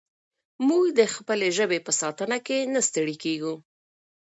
موږ د خپلې ژبې په ساتنه کې نه ستړي کېږو.